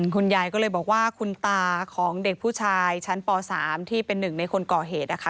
คุณยายก็เลยบอกว่าคุณตาของเด็กผู้ชายชั้นป๓ที่เป็นหนึ่งในคนก่อเหตุนะคะ